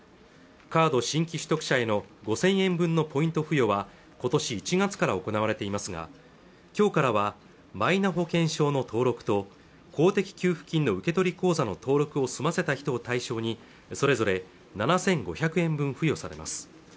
カード新規取得者への５０００円分のポイント付与は今年１月から行われていますが今日からはマイナ保険証の登録と公的給付金の受け取り口座の登録を済ませた人を対象にそれぞれ７５００円分付与されます